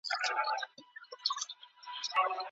د دورکهایم طرحې دوې موخې درلودې.